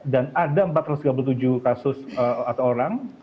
dan ada empat ratus tiga puluh tujuh kasus atau orang